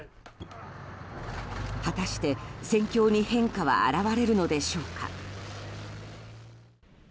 果たして、戦況に変化は現れるのでしょうか。